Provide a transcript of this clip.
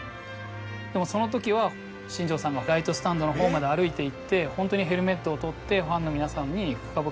でもそのときは新庄さんがライトスタンドのほうまで歩いていってホントにヘルメットを取ってファンの皆さんに。